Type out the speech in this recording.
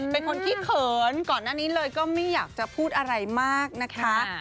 เป็นคนขี้เขินก่อนหน้านี้เลยก็ไม่อยากจะพูดอะไรมากนะคะ